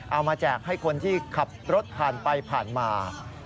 แจกให้คนที่ขับรถผ่านไปผ่านมา